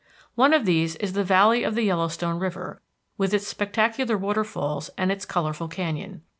One of these is the valley of the Yellowstone River with its spectacular waterfalls and its colorful canyon.